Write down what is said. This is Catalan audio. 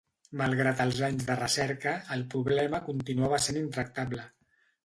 Malgrat els anys de recerca, el problema continuava sent intractable.